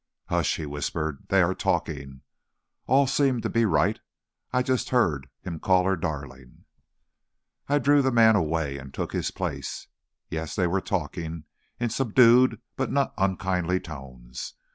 "Hush!" he whispered; "they are talking. All seems to be right. I just heard him call her darling." I drew the man away and took his place. Yes; they were talking in subdued but not unkindly tones.